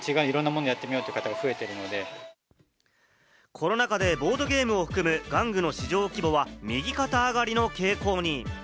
コロナ禍でボードゲームを含む玩具の市場規模は右肩上がりの傾向に。